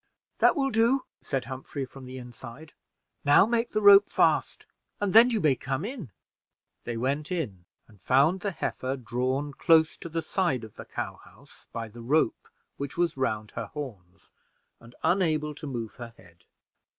"That will do," said Humphrey from the inside; "now make the rope fast, and then you may come in." They went in and found the heifer drawn close to the side of the cow house by the rope which was round her horns, and unable to move her head.